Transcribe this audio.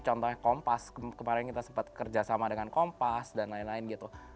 contohnya kompas kemarin kita sempat kerjasama dengan kompas dan lain lain gitu